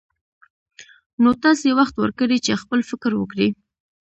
نو تاسې وخت ورکړئ چې خپل فکر وکړي.